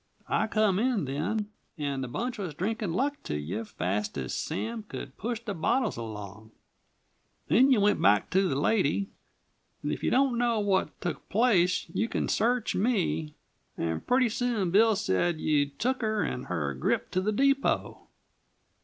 I come in then, and the bunch was drinkin' luck to you fast as Sam could push the bottles along. Then you went back to the lady and if you don't know what took place you can search me and pretty soon Bill said you'd took her and her grip to the depot.